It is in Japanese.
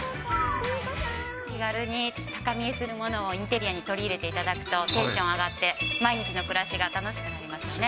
気軽に高見えするものをインテリアに取り入れていただくと、テンション上がって、毎日の暮らしが楽しくなりますよね。